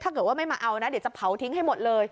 ถ้าเกิดว่าไม่มาเอานะเดี๋ยวจะเผาทิ้งให้หมดเลย